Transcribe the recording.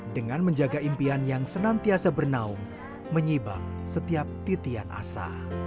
dengan menjaga impian yang senantiasa bernaung menyibak setiap titian asa